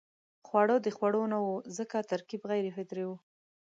خواړه د خوړو نه وو ځکه ترکیب غیر فطري وو.